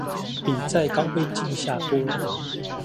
比在高倍鏡下多